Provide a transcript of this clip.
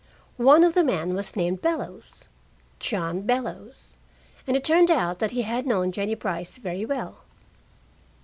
One of the men was named Bellows, John Bellows, and it turned out that he had known Jennie Brice very well.